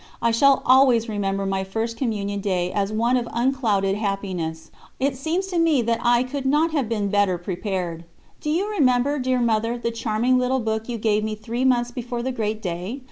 I shall always remember my First Communion Day as one of unclouded happiness. It seems to me that I could not have been better prepared. Do you remember, dear Mother, the charming little book you gave me three months before the great day?